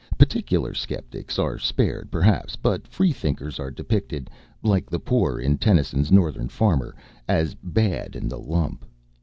Particular sceptics are spared perhaps, but Freethinkers are depicted like the poor in Tennyson's "Northern Farmer" as bad in the lump.